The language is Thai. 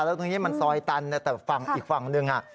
แล้วตรงนี้มันซอยตันแต่ฝั่งอีกฝั่งหนึ่ง